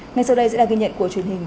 ngay sau đây sẽ là ghi nhận của truyền hình